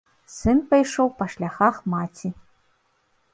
Сын пайшоў па шляхах маці.